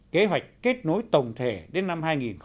kế hoạch kết nối tổng thể đến năm hai nghìn hai mươi